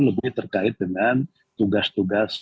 lebih terkait dengan tugas tugas